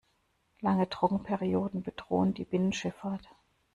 Lange Trockenperioden bedrohen die Binnenschifffahrt.